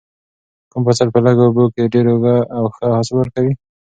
کوم فصل په لږو اوبو کې ډیر او ښه حاصل ورکوي؟